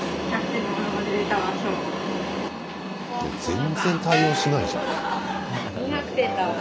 全然対応しないじゃん。